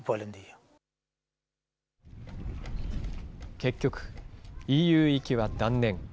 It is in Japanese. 結局、ＥＵ行きは断念。